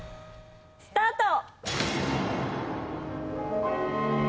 スタート！